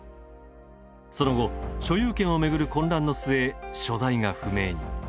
その後、所有権を巡る混乱の末所在が不明に。